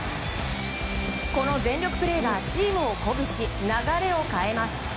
この全力プレーがチームを鼓舞し流れを変えます。